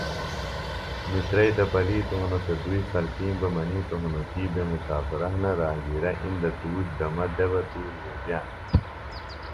مِترئی تہ پلِتوۡ ہِنوۡ سےۡ دُئیۡ خلکیم بہ منِیتوۡ ہِنوۡ کیۡ بے مُسافرہ ہِنہ، راہگِیرہ اِندیۡ تُوش دمہ دےۡ بہ تُوریۡ وے بئانہ